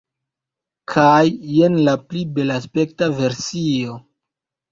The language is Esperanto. Kaj jen la pli belaspekta versio